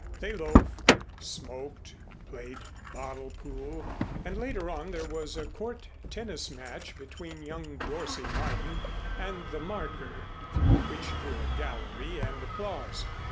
They loafed, smoked, played bottle pool and later on there was a court tennis match between young Dorsey Martin and the marker, which drew a gallery and applause.